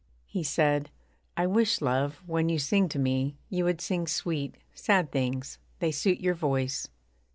He said, 'I wish, love, when you sing to me, You would sing sweet, sad things they suit your voice.'